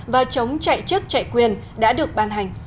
và chống chạy chức chạy quyền đã được ban hành